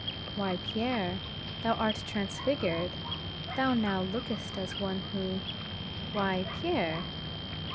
"Why, Pierre, thou art transfigured; thou now lookest as one who why, Pierre?"